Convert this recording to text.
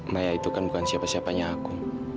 maya itu kan bukan siapa siapanya aku